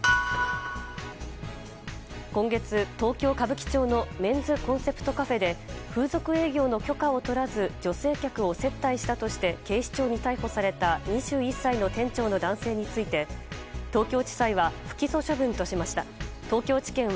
今月、東京・歌舞伎町のメンズコンセプトカフェで風俗営業の許可を取らず女性客を接待したとして警視庁に逮捕された２１歳の店長の男性について東京地検は不起訴処分としました。